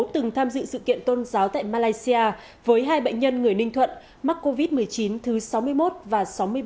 từng tham dự sự kiện tôn giáo tại malaysia với hai bệnh nhân người ninh thuận mắc covid một mươi chín thứ sáu mươi một và sáu mươi bảy